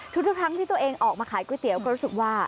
ทุกครั้งที่ตัวเองออกมาขายก๋วยเตี๋ยวก็รู้สึกว่า